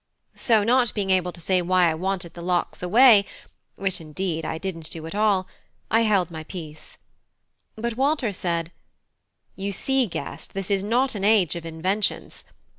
So not being able to say why I wanted the locks away which, indeed, I didn't do at all I held my peace. But Walter said "You see, guest, this is not an age of inventions.